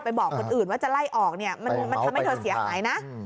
บอกคนอื่นว่าจะไล่ออกเนี่ยมันทำให้เธอเสียหายนะ